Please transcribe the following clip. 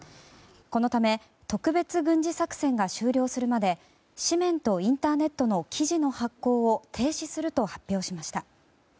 このため、特別軍事作戦が終了するまで紙面とインターネットの記事の発行を停止すると発表しました。